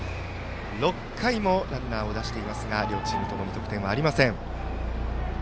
６回もランナーを出していますが両チームともに得点はありません。